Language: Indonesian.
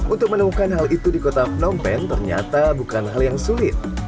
untuk menemukan hal itu di kota phnom penh ternyata bukan hal yang sulit